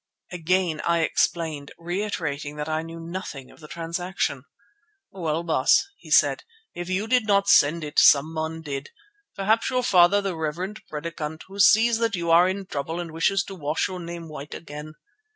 Again I explained, reiterating that I knew nothing of the transaction. "Well, Baas," he said, "if you did not send it someone did—perhaps your father the reverend Predikant, who sees that you are in trouble and wishes to wash your name white again.